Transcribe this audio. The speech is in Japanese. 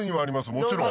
もちろん。